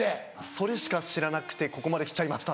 それしか知らなくてここまで来ちゃいました。